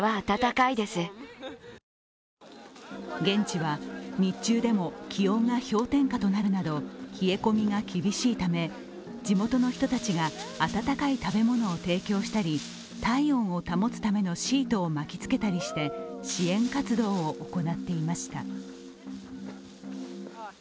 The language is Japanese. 現地は日中でも気温が氷点下となるなど冷え込みが厳しいため地元の人たちが温かい食べ物を提供したり体温を保つためのシートを巻きつけたりして、支援活動を行っていました。